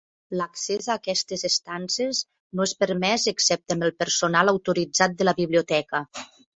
L'accés a aquestes estances no és permès, excepte amb el personal autoritzat de la Biblioteca.